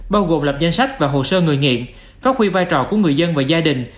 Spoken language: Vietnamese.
bao gồm lập danh sách và hồ sơ người nghiện phát huy vai trò của người dân và gia đình